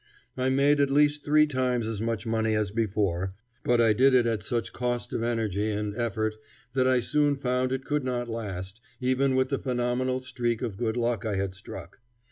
I made at least three times as much money as before, but I did it at such cost of energy and effort that I soon found it could not last, even with the phenomenal streak of good luck I had struck.